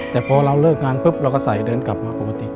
แต่พอเราเลิกงานปุ๊บเราก็ใส่เดินกลับมาปกติ